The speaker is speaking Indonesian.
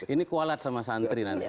ini kualat sama santri nanti